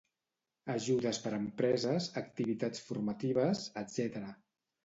Ajudes per empreses, activitats formatives, etc.